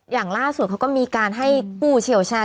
อย่างล่าสุดเขาก็มีการให้ผู้เชี่ยวชาญ